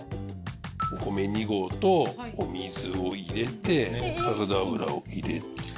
お米２合とお水を入れてサラダ油を入れて。